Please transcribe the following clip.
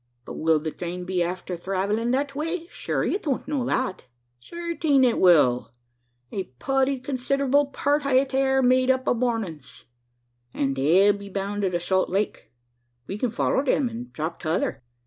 "But will the thrain be afther thravellin' that way? Shure ye don't know that." "Certing it will. A putty consid'able pert o' it air made up o' Mormings; an' they'll be boun' to the Salt Lake. We kin foller them an' drop t'other.